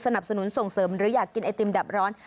สนุนส่งเสริมหรืออยากกินไอติมดับร้อน